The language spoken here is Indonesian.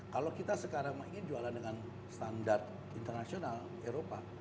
kalau kita sekarang ingin jualan dengan standar internasional eropa